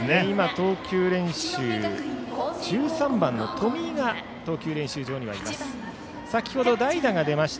投球練習には１３番の冨井が投球練習場にいます。